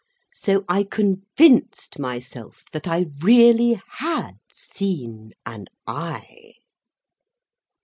So I convinced myself that I really had seen an eye.